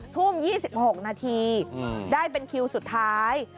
ทุ่ม๒๖นาทีได้เป็นคิวสุดท้าย